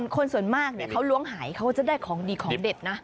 คนส่วนมากเขาล้วงหายเขาจะได้ของดีของเด็ดนะ